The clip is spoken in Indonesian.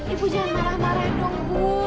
ibu jangan marah marahin dong bu